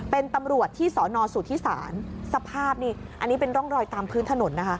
เป็นตำรวจที่สอนอนสู่ที่ศาลสภาพนี่เป็นร่องรอยตามพื้นถนน